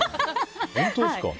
本当ですか。